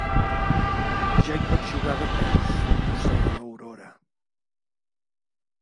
Ja hi pots pujar de peus —mossega l'Aurora—.